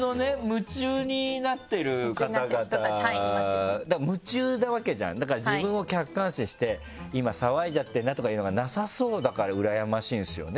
夢中になってる方々夢中なわけじゃんだから自分を客観視して「今騒いじゃってるな」とかいうのがなさそうだからうらやましいんですよね